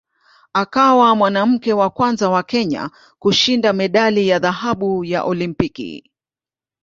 Akawa mwanamke wa kwanza wa Kenya kushinda medali ya dhahabu ya Olimpiki.